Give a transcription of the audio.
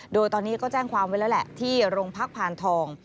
โดยตอนนี้ก็แจ้งความไว้แล้วแหละที่โรงพักพานทอง